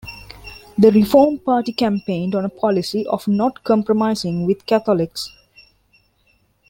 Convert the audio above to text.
The Reform Party campaigned on a policy of not compromising with Catholics.